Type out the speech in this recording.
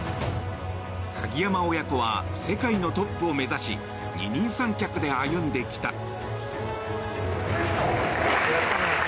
鍵山親子は世界のトップを目指し二人三脚で歩んできた。